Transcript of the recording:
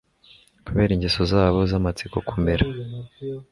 kubera ingeso zabo zamatsiko kumera